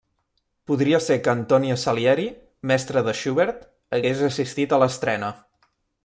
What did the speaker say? Podria ser que Antonio Salieri, mestre de Schubert, hagués assistit a l'estrena.